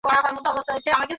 না না, সেটি কোনোমতেই হইবে না।